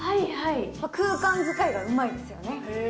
空間使いがうまいですよね。